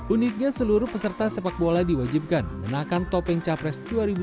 uniknya seluruh peserta sepak bola diwajibkan mengenakan topeng capres dua ribu dua puluh